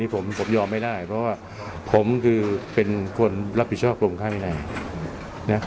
ผมยอมไม่ได้เพราะว่าผมคือเป็นคนรับผิดชอบกรมข้างในนะ